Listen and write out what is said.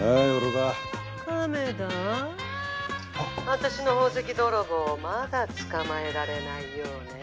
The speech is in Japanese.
☎私の宝石泥棒まだ捕まえられないようね。